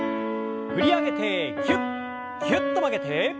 振り上げてぎゅっぎゅっと曲げて。